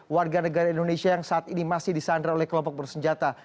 warga negara indonesia yang saat ini masih disandra oleh kelompok bersenjata